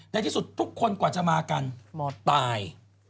ในที่สุดทุกคนกว่าจะมากันตาย